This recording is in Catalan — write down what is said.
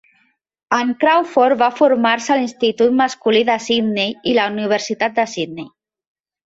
En Crawford va formar-se a l'institut masculí de Sydney i la Universitat de Sydney.